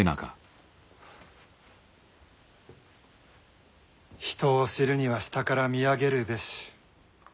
人を知るには下から見上げるべし。